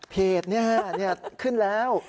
เพจนี้ขึ้นแล้ว